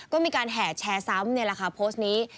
ก็มีการแห่แชร์ซ้ำนี่แหละค่ะโพสต์นี้